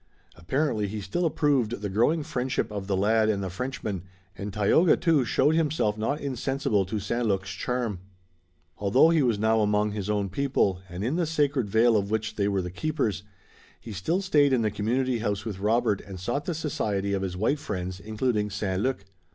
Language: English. Apparently he still approved the growing friendship of the lad and the Frenchman, and Tayoga, too, showed himself not insensible to St Luc's charm. Although he was now among his own people, and in the sacred vale of which they were the keepers, he still stayed in the community house with Robert and sought the society of his white friends, including St. Luc.